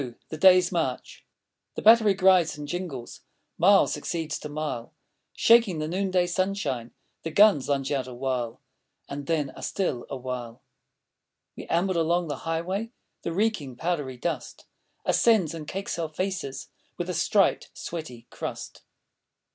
THE DAY'S MARCH The battery grides and jingles, Mile succeeds to mile; Shaking the noonday sunshine, The guns lunge out awhile, And then are still awhile. We amble along the highway; The reeking, powdery dust Ascends and cakes our faces With a striped, sweaty crust.